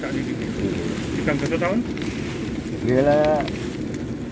saya mulai dari sekolah rakyat